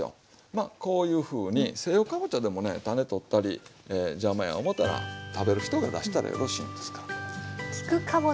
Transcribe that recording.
まあこういうふうに西洋かぼちゃでもね種取ったり邪魔や思ったら食べる人が出したらよろしいんですから。